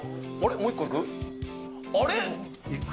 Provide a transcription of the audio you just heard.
もう一個いく？